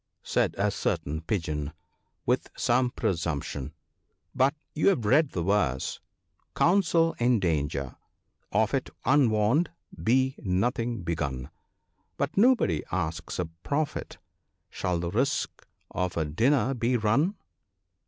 said a certain pigeon, with some presump tion, ' but youVe read the verse —" Counsel in danger ; of it Unwarned, be nothing begun ; But nobody asks a Prophet Shall the risk of a dinner be run